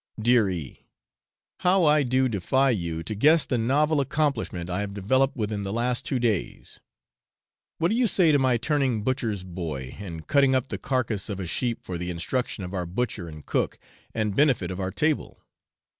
Dear E , how I do defy you to guess the novel accomplishment I have developed within the last two days; what do you say to my turning butcher's boy, and cutting up the carcase of a sheep for the instruction of our butcher and cook, and benefit of our table?